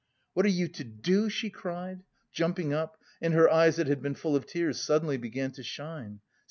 "What are you to do?" she cried, jumping up, and her eyes that had been full of tears suddenly began to shine.